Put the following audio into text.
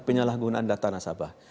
penyalahgunaan data nasabah